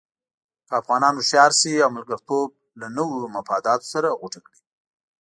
که افغانان هوښیار شي او ملګرتوب له نویو مفاداتو سره غوټه کړي.